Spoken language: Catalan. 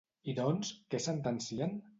I doncs, què sentencien?